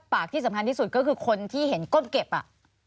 ปากที่สำคัญที่สุดก็คือคนที่เห็นก้มเก็บอ่ะ